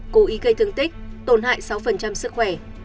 cố ý gây thương tích tổn hại sáu sức khỏe